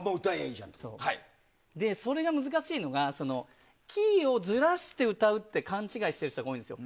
それが難しいのがキーをずらして歌うって勘違いしている人がいるんです。